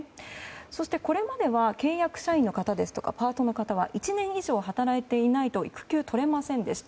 そしてこれまでは契約社員の方ですとかパートの方は１年以上働いていないと育休は取れませんでした。